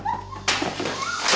masih ke mana